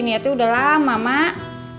ini hati udah lama mak